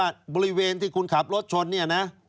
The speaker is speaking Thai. ได้ค่ะใช่